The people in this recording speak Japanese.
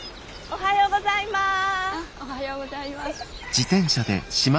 おはようございます。